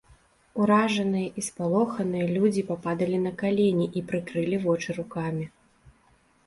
Уражаныя і спалоханыя людзі пападалі на калені і прыкрылі вочы рукамі.